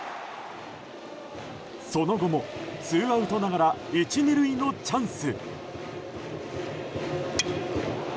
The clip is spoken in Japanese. その後もツーアウトながら１、２塁のチャンス。